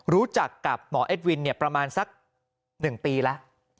รู้จักกับหมอเอ็ดวินประมาณสัก๑ปีแล้ว